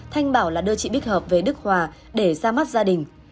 thanh bảo là đưa chị bích hợp về đức hòa để ra mắt gia đình